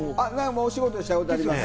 お仕事したことあります。